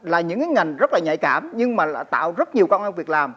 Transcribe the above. là những cái ngành rất là nhạy cảm nhưng mà tạo rất nhiều công việc làm